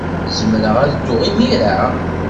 Zemreɣ ad dduɣ imir-a?